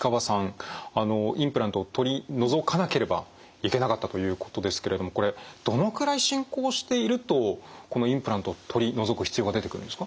あのインプラントを取り除かなければいけなかったということですけれどもこれどのくらい進行しているとこのインプラント取り除く必要が出てくるんですか？